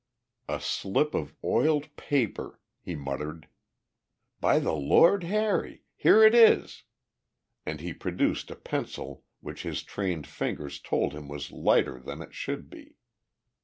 "A slip of oiled paper," he muttered. "By the Lord Harry! here it is!" and he produced a pencil which his trained fingers told him was lighter than it should be.